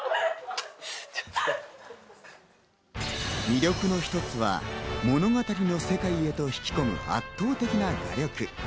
魅力の一つは物語の世界へと引き込む、圧倒的な画力。